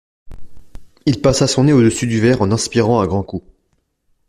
Il passa son nez au-dessus du verre en inspirant un grand coup